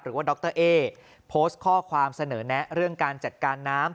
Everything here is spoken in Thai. ดรเอ๊โพสต์ข้อความเสนอแนะเรื่องการจัดการน้ำ